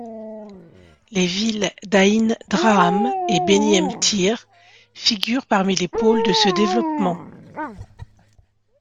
Les villes d'Aïn Draham et Beni M'Tir figurent parmi les pôles de ce développement.